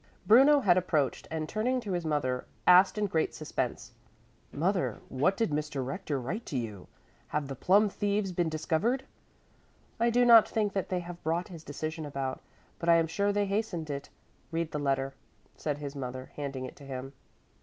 Bruno had approached, and turning to his mother, asked in great suspense: "Mother, what did Mr. Rector write to you? Have the plum thieves been discovered?" "I do not think that they have brought his decision about, but I am sure they hastened it. Read the letter," said his mother, handing it to him.